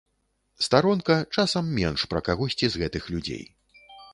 Старонка, часам менш, пра кагосьці з гэтых людзей.